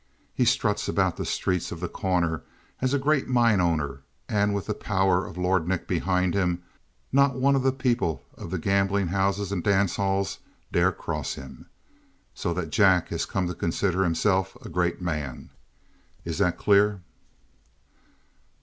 He struts about the streets of The Corner as a great mine owner, and with the power of Lord Nick behind him, not one of the people of the gambling houses and dance halls dares cross him. So that Jack has come to consider himself a great man. Is it clear?"